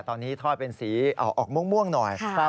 ตอนนี้ทอดเป็นสีออกม่วงหน่อย